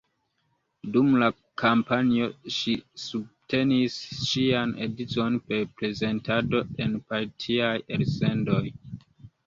Dum la kampanjo ŝi subtenis ŝian edzon per prezentado en partiaj elsendoj.